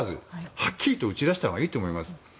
はっきりと打ち出したほうがいいと思います。